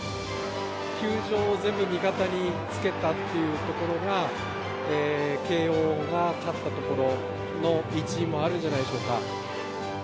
球場を全部に味方につけたっていうところが、慶応が勝ったところの一因もあるんじゃないでしょうか。